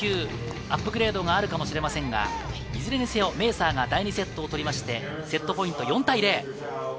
アップグレードがあるかもしれませんが、いずれにせよ、メーサーが第２セットを取りまして、セットポイント４対０。